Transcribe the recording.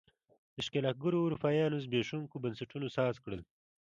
ښکېلاکګرو اروپایانو زبېښونکو بنسټونو ساز کړل.